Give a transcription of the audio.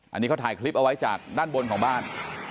อันนี้เขาถ่ายคลิปเอาไว้จากด้านบนของบ้าน